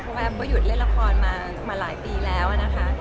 แอฟก็หยุดเล่นละครมาหลายปีแล้วนะคะ